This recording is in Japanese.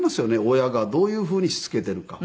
親がどういうふうにしつけているか。